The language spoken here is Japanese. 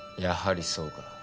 やはりそうか。